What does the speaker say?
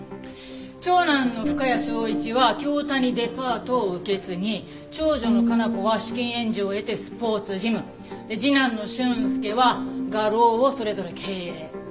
長男の深谷尚一は京谷デパートを受け継ぎ長女の佳菜子は資金援助を得てスポーツジム次男の俊介は画廊をそれぞれ経営。